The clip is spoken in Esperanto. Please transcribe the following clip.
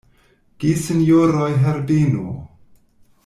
Gesinjoroj Herbeno!